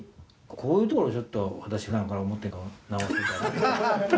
こういうところちょっと私ふだんから思ってるんだけど直して。